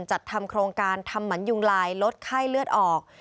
จัดทำโครงการทำหมันยุงลายลดไข้เลือดออก